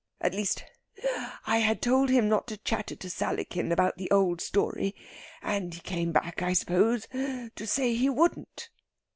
At least, I had told him not to chatter to Sallykin about the old story, and he came back, I suppose, to say he wouldn't."